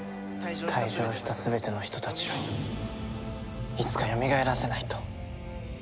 退場した全ての人たちをいつかよみがえらせないと。